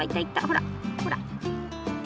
ほらほら。